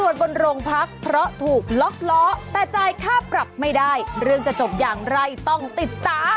สบัดคราวเด็ด